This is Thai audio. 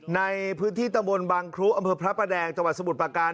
ในพื้นที่ตะบนบางครุอำเภอพระประแดงจังหวัดสมุทรประการ